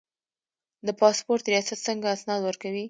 د پاسپورت ریاست څنګه اسناد ورکوي؟